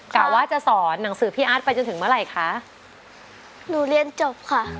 กะว่าจะสอนหนังสือพี่อาร์ตไปจนถึงเมื่อไหร่คะหนูเรียนจบค่ะ